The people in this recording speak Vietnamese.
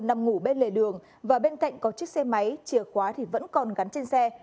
trừng đã bắt trộm gà bên lề đường và bên cạnh có chiếc xe máy chìa khóa thì vẫn còn gắn trên xe